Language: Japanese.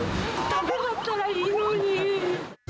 食べはったらいいのに。